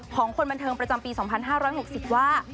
ของคนบันเทิงประจำปี๒๕๖๐ว่า